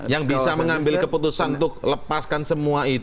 yang bisa mengambil keputusan untuk lepaskan semua itu